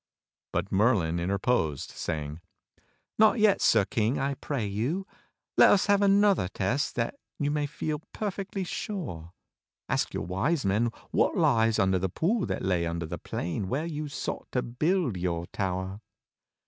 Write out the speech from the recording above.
But Merlin interposed, saying: "Not yet. Sir King, I ])ray you. Let us have another test that you may feel perfectly sure. Ask your Wise Men what lies under the pool that lay under the plain where you sought to build y )ur tower."